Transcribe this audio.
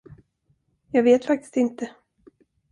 Jag vet faktiskt inte.